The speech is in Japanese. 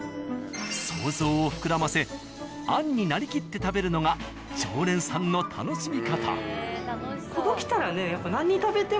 想像を膨らませアンになりきって食べるのが常連さんの楽しみ方。